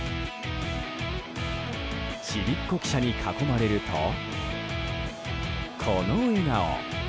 ちびっ子記者に囲まれるとこの笑顔。